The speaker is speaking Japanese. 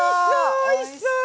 おいしそう！